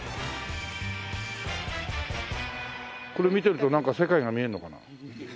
これ見てるとなんか世界が見えるのかな？